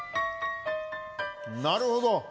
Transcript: なるほど。